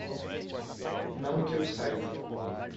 Não que eu saiba.